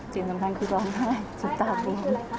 จริงสำคัญคือว่าอะไร